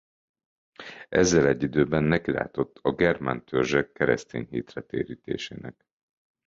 Ezzel egyidőben nekilátott a germán törzsek keresztény hitre térítésének.